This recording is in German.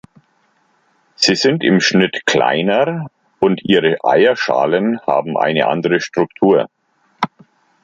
Sie sind im Schnitt kleiner, und ihre Eierschalen haben eine andere Struktur.